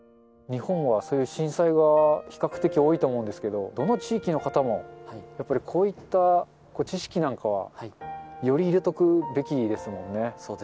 日本はそういう震災が比較的多いと思うんですけど、どの地域の方も、やっぱりこういった知識なんかは、より入れておくべきですもんね。